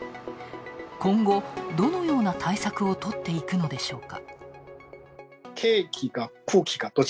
今後、どのような対策をとっていくのでしょうか。